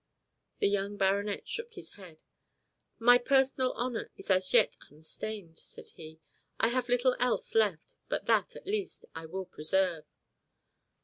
The young baronet shook his head. "My personal honour is as yet unstained," said he. "I have little else left, but that, at least, I will preserve."